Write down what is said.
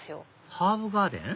ハーブガーデン？